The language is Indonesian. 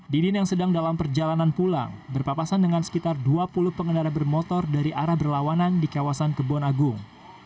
didin yang sedang dalam perjalanan pulang berpapasan dengan sekitar dua puluh pengendara bermotor dari arah berlawanan di kawasan kebon agung